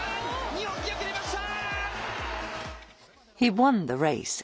日本記録出ました。